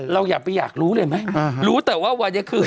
เราอยากไปอยากรู้เลยไหมรู้แต่ว่าวันนี้คือ